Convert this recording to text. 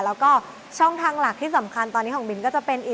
แล้วก็ช่องทางหลักที่สำคัญตอนนี้ของบินก็จะเป็นอีก